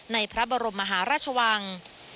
พระบรมมหาราชวัง